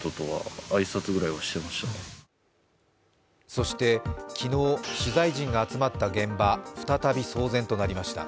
そして昨日、取材陣が集まった現場、再び騒然となりました。